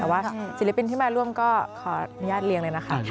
แต่ว่าศิลปินที่มาร่วมก็ขออนุญาตเรียนเลยนะคะ